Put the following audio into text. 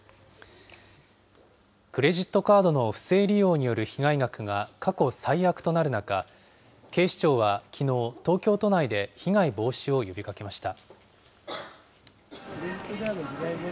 クレジットカードの不正利用による被害額が過去最悪となる中、警視庁はきのう、東京都内で被害防止を呼びかけました。